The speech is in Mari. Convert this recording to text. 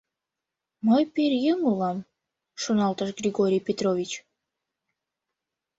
Мый пӧръеҥ улам, — шоналтыш Григорий Петрович...